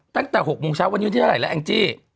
ตั้งแต่๖โมงเช้าวันนี้วันที่เท่าไหรแล้วแองจี้